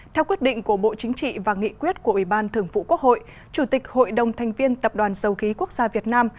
theo quyết định của bộ chính trị và nghị quyết của ủy ban thường vụ quốc hội chủ tịch hội đồng thành viên tập đoàn dầu khí quốc gia việt nam